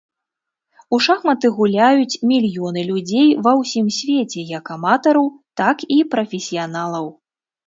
У шахматы гуляюць мільёны людзей ва ўсім свеце як аматараў, так і прафесіяналаў.